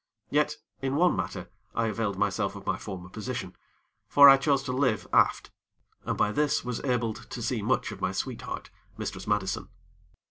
Yet, in one matter, I availed myself of my former position; for I chose to live aft, and by this was abled to see much of my sweetheart, Mistress Madison.